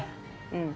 うん。